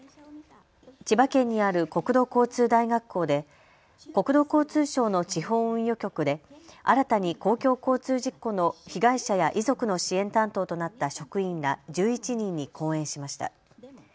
千葉県にある国土交通大学校で国土交通省の地方運輸局で新たに公共交通事故の被害者や遺族の支援担当となった職員ら１１人に講演しました。